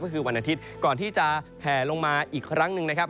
ก็คือวันอาทิตย์ก่อนที่จะแผ่ลงมาอีกครั้งหนึ่งนะครับ